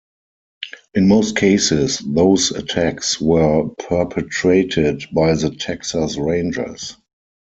In most cases those attacks were perpetrated by the Texas Rangers.